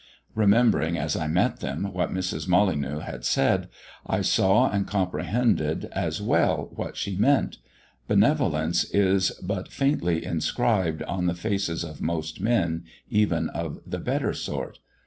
Remembering as I met them what Mrs. Molyneux had said, I saw and comprehended as well what she meant. Benevolence is but faintly inscribed, on the faces of most men, even of the better sort.